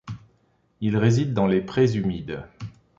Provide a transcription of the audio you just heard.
Il réside dans les prés humides.